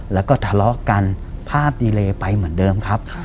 แล้วก็ทะเลาะกันภาพดีเลยไปเหมือนเดิมครับ